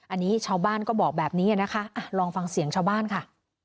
อันนี้ชาวบ้านก็บอกแบบนี้นะคะลองฟังเสียงชาวบ้านค่ะ